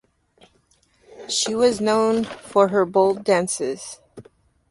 She was known for her bold dances.